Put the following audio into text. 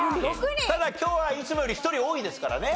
ただ今日はいつもより１人多いですからね。